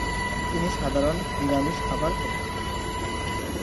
তিনি সাধারণ নিরামিষ খাবার খেতেন।